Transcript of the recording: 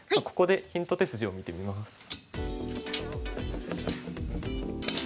ここでヒント手筋を見てみます。